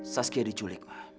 saskia diculik ma